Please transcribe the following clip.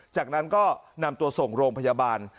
จากนั้นก็นำตัวส่งโรงพยาบาล